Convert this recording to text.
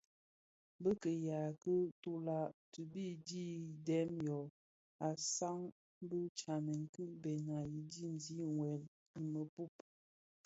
Bi kiyaň ki ntulag ti bi dhi dhen yom a saad bi tsamèn ki bena yi diňzi wuèl i mëpud.